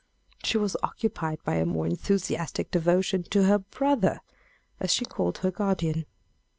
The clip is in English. She was occupied by a more enthusiastic devotion to her "brother," as she called her guardian.